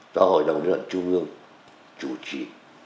do hội đồng luận trung ương chủ trì